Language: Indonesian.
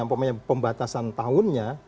apapun pembatasan tahunnya